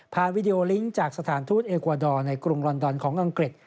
วิดีโอลิงก์จากสถานทูตเอกวาดอร์ในกรุงลอนดอนของอังกฤษ